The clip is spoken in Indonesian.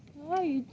nih apa nyuruh gitu